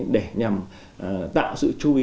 để nhằm tạo sự chú ý